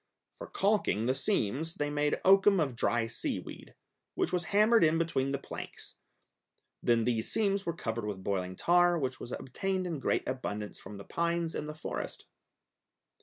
For calking the seams they made oakum of dry seaweed, which was hammered in between the planks; then these seams were covered with boiling tar, which was obtained in great abundance from the pines in the forest.